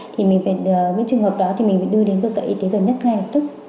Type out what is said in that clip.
thì mình phải với trường hợp đó thì mình phải đưa đến cơ sở y tế gần nhất ngay lập tức